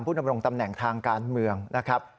ดำรงตำแหน่งทางการเมืองนะครับ